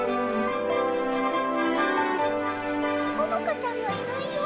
穂乃果ちゃんがいないよ？